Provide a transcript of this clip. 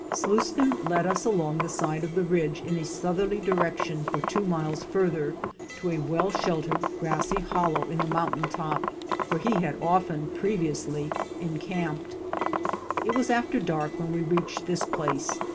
Sluiskin led us along the side of the ridge in a south erly direction for two miles farther, to a well sheltered, grassy hollow in the mountain top, where he had often previously encamped. It was after dark when we reached this place.